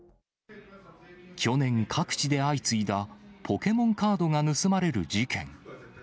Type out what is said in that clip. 去年、各地で相次いだ、ポケモンカードが盗まれる事件。